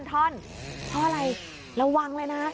เพราะอะไรระวังเลยนะ